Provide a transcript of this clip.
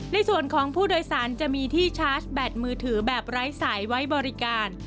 ในส่วนของผู้โดยสารจะมีที่ชาร์จแบตมือถือแบบไร้สายไว้บริการ